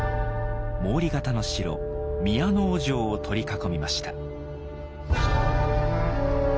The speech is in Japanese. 毛利方の城「宮尾城」を取り囲みました。